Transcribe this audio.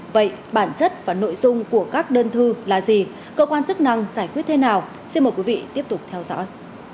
vậy bản chất và nội dung của các đơn thư là gì cơ quan chức năng giải quyết thế nào xin mời quý vị tiếp tục theo dõi